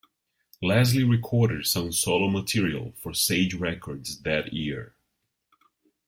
Leslie recorded some solo material for Sage Records that year.